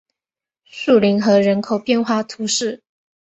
树林河人口变化图示